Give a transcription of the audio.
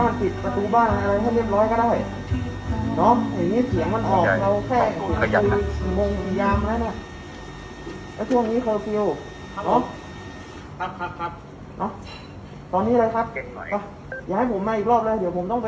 เนาะเดี๋ยวให้ผมเรียกของศูนย์มาเลย